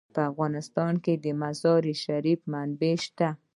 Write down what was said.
په افغانستان کې د مزارشریف منابع شته.